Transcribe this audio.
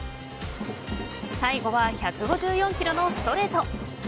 最後は１５４キロのストレート。